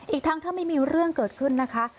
อีกทั้งถ้าไม่มีเรื่องเกิดขึ้นนะคะ